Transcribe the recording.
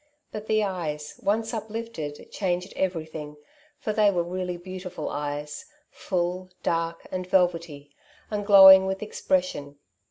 But the eyes, once uplifted, changed everything, for they were really beautiful eyes — ^full, dark, and velvety, and glowing with ex pression.